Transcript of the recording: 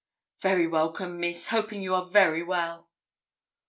'Very welcome, Miss, hoping you are very well.'